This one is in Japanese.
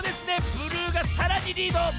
ブルーがさらにリード。